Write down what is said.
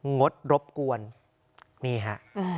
งดรบกวนนี่ฮะ